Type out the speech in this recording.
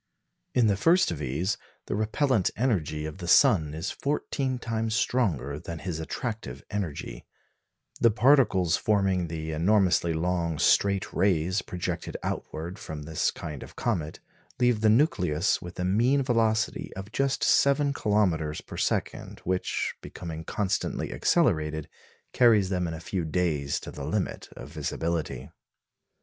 In the first of these, the repellent energy of the sun is fourteen times stronger than his attractive energy; the particles forming the enormously long straight rays projected outward from this kind of comet leave the nucleus with a mean velocity of just seven kilometres per second, which, becoming constantly accelerated, carries them in a few days to the limit of visibility.